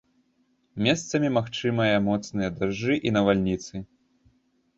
Месцамі магчымыя моцныя дажджы і навальніцы.